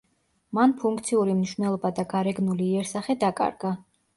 მან ფუნქციური მნიშვნელობა და გარეგნული იერსახე დაკარგა.